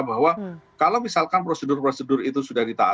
bahwa kalau misalkan prosedur prosedur itu sudah ditaati